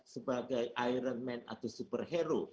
sebagai iron man atau super hero